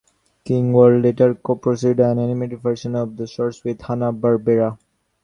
King World later co-produced an animated version of the shorts with Hanna-Barbera.